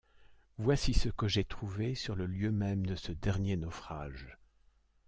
Voici ce que j’ai trouvé sur le lieu même de ce dernier naufrage !